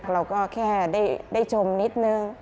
เราก็แค่ได้ชมนิดนึง